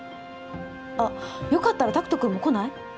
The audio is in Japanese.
あっよかったら拓人君も来ない？